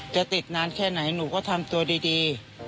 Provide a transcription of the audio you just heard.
จะติดนานแค่ไหนหนูก็ทำตัวดี